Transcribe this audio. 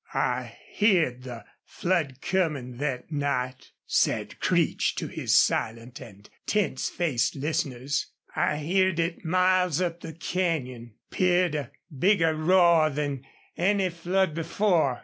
"I heerd the flood comin' thet night," said Creech to his silent and tense faced listeners. "I heerd it miles up the canyon. 'Peared a bigger roar than any flood before.